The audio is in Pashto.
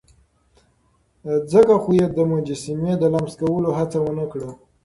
ځکه خو يې د مجسمې د لمس کولو هڅه ونه کړه.